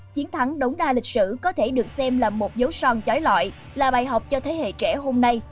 chiến thắng đống đa lịch sử có thể được xem là một dấu son chói lọi là bài học cho thế hệ trẻ hôm nay